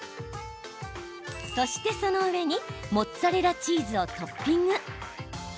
そして、その上にモッツァレラチーズをトッピング。